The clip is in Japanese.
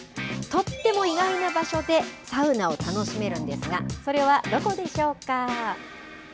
とっても意外な場所で、サウナを楽しめるんですが、それはどこでしょうか。